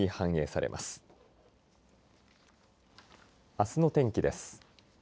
あすの天気です。